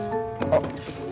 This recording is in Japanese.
あっ